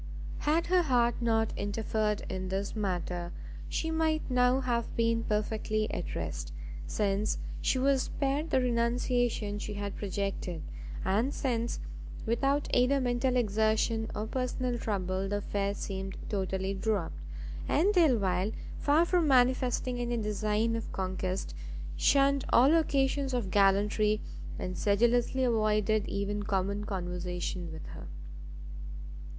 Had her heart not interfered in this matter, she might now have been perfectly at rest, since she was spared the renunciation she had projected, and since, without either mental exertion or personal trouble, the affair seemed totally dropt, and Delvile, far from manifesting any design of conquest, shunned all occasions of gallantry, and sedulously avoided even common conversation with her.